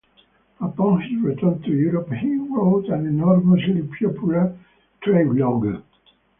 Upon his return to Europe he wrote an enormously popular travelogue.